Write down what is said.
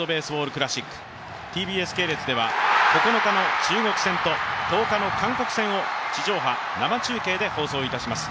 クラシックＴＢＳ系列では９日の中国戦と１０日の韓国戦を地上波生中継でお送りいたします。